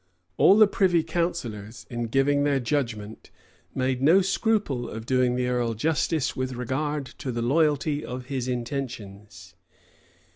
[] All the privy counsellors, in giving their judgment, made no scruple of doing the earl justice with regard to the loyalty of his intentions.